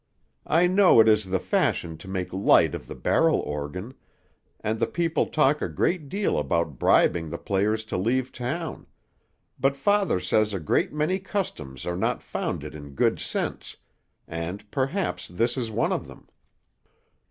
I know it is the fashion to make light of the barrel organ; and the people talk a great deal about bribing the players to leave town; but father says a great many customs are not founded in good sense, and perhaps this is one of them.